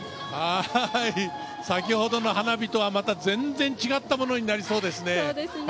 先ほどの花火とは、また全然違ったものになりそうですね。